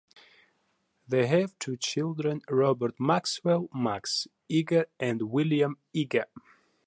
They have two children: Robert Maxwell "Max" Iger, and William Iger.